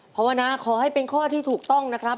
ภาวนาขอให้เป็นข้อที่ถูกต้องนะครับ